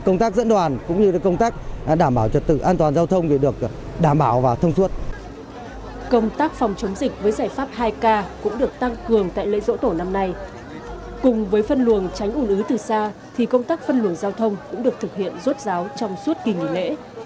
công tác phòng chống dịch với giải pháp hai k cũng được tăng cường tại lễ dỗ tổ năm nay cùng với phân luồng tránh ủn ứ từ xa thì công tác phân luồng giao thông cũng được thực hiện rốt ráo trong suốt kỳ nghỉ lễ